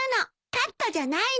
カットじゃないの。